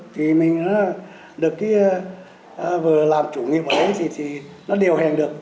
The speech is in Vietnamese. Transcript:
thì mình được cái vừa làm chủ nhiệm ấy thì nó điều hành được